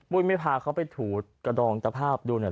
ปุ๊ยไม่พาเขาไปถูกระดองตะภาพดูหน่อยเหรอ